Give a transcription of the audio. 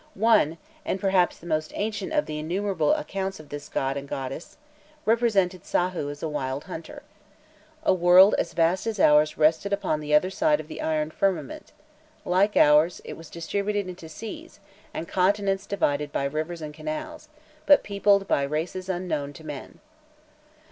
One, and perhaps the most ancient of the innumerable accounts of this god and goddess, represented Sahû as a wild hunter. A world as vast as ours rested upon the other side of the iron firmament; like ours, it was distributed into seas, and continents divided by rivers and canals, but peopled by races unknown to men.